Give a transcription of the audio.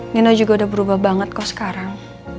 nino juga udah berubah banget kok sekarang